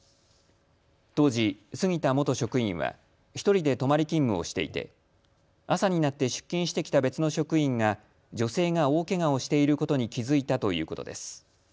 当時、杉田元職員は１人で泊まり勤務をしていて朝になって出勤してきた別の職員が女性が大けがをしていることに気付いたということです。